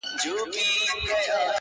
خو یوه ورځ به درته په کار سم -